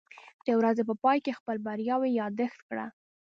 د ورځې په پای کې خپل بریاوې یاداښت کړه.